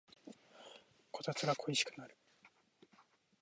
こたつが恋しくなる